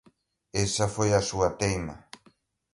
Esa foi a súa teima.